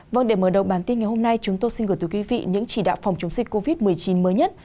vâng để mở đầu bản tin ngày hôm nay chúng tôi xin gửi tới quý vị những chỉ đạo phòng chống dịch covid một mươi chín mới nhất